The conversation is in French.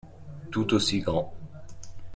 Tout aussi grand.